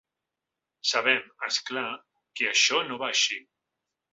Sabem, és clar, que això no va així.